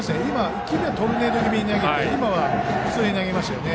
１球目、トルネード気味で今は普通に投げましたよね。